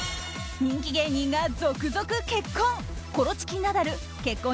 人気芸人が続々結婚。